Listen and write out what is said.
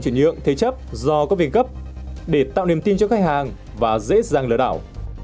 chuyển nhượng thiết chấp do có viên cấp để tạo niềm tin cho khách hàng và dễ dàng lỡ đảo